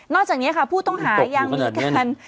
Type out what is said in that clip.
นอกจากนี้ค่ะผู้ต้องหาอย่างนี้กัน